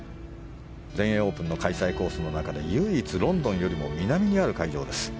全英オープンの開催コースの中で唯一、ロンドンよりも南にある会場です。